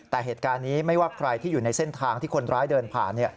แต่เหตุการณ์นี้ไม่ว่าใครที่อยู่ในเส้นทางที่คนร้ายเดินผ่าน